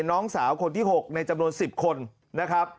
น้องสาวคนที่๖ในจำนวน๑๐คนนะครับ